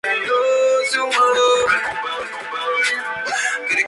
El autor de "Lemonade Mouth" había anunciado que ya estaba trabajando en una secuela.